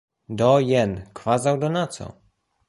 Do jen, kvazaŭ donaco.